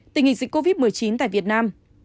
tình hình dịch covid một mươi chín tại việt nam